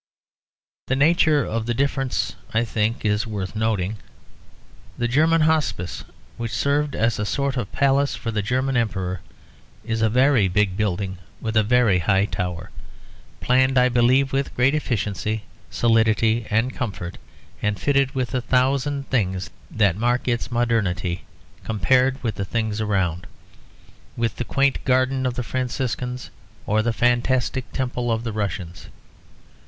The nature of the difference, I think, is worth noting. The German Hospice, which served as a sort of palace for the German Emperor, is a very big building with a very high tower, planned I believe with great efficiency, solidity and comfort, and fitted with a thousand things that mark its modernity compared with the things around, with the quaint garden of the Franciscans or the fantastic temple of the Russians.